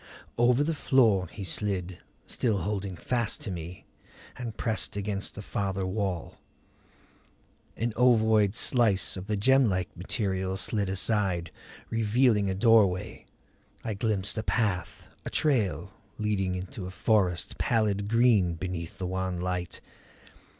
Over the floor he slid, still holding fast to me, and pressed against the farther wall. An ovoid slice of the gemlike material slid aside, revealing a doorway. I glimpsed a path, a trail, leading into a forest pallid green beneath the wan light.